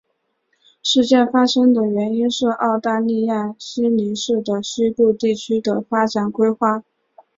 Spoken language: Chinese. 事件发生的原因是澳大利亚悉尼市的西部地区的发展规划。